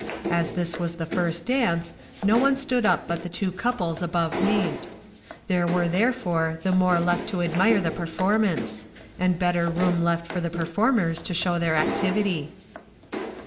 As this was the first dance, no one stood up but the two couple above named; there were therefore the more left to admire the performance, and better room left for the performers to show their activity.